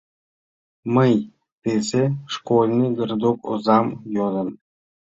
— Мый тысе школьный городок озам йодым.